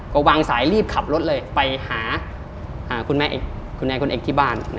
ก็วางสายรีบขับรถเลยไปหาคุณแอนคุณเอกที่บ้าน